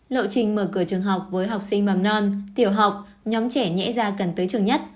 lộ trình mở cửa trường học với học sinh mầm non tiểu học nhóm trẻ nhẹ da cần tới trường nhất